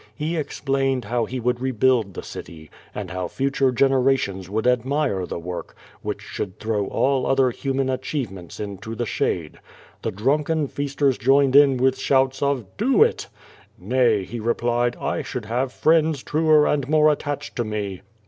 He explained how he would rebuild the city, and how future generations would admire the work, which should throw all other human achievements into the shade. The drunken foasters joined in with shouts of "Do it!" "Xay," he replied, "1 should liave friends truer and more attached to me."